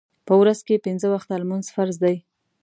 په ورځ کې پنځه وخته لمونځ فرض دی.